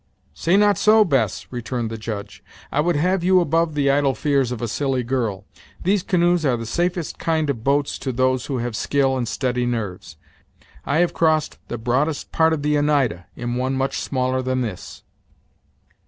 "Say not so, Bess," returned the Judge; "I would have you above the idle fears of a silly girl. These canoes are the safest kind of boats to those who have skill and steady nerves. I have crossed the broadest part of the Oneida in one much smaller than this."